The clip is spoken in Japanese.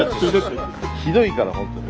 ひどいから本当に。